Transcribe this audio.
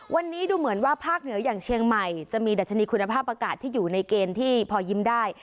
วันนี้ดูเหมือนว่าภาคเหนืออย่างเชียงใหม่จะมีดัชนีคุณภาพอากาศที่อยู่ในเกณฑ์ที่พอยิ้มได้